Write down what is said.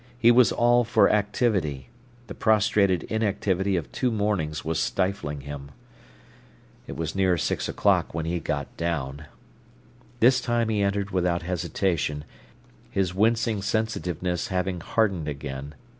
He was all for activity. The prostrated inactivity of two mornings was stifling him. It was near six o'clock when he got down. This time he entered without hesitation, his wincing sensitiveness having hardened again.